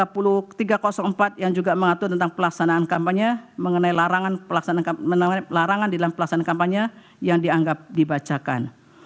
yang juga mengatur tentang pelaksanaan kampanye mengenai larangan di dalam pelaksanaan kampanye yang dianggap dibacakan